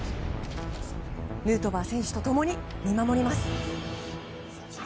ヌートバー選手と共に見守ります。